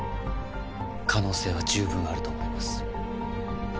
可能性は十分あると思います。